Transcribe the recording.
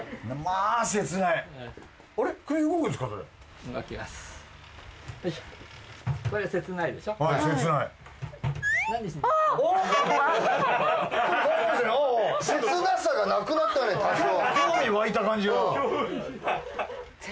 あ切ない！